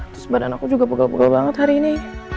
terus badan aku juga begel begel banget hari ini